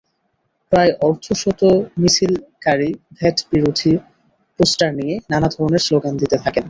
প্রায় অর্ধশত মিছিলকারী ভ্যাটবিরোধী পোস্টার নিয়ে নানা ধরনের স্লোগান দিতে থাকেন।